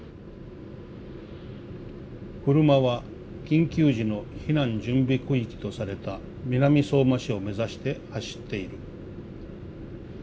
「車は緊急時の避難準備区域とされた南相馬市をめざして走っている。